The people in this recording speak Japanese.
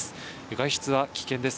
外出は危険です。